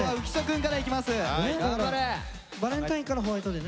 バレンタインからホワイトデーね。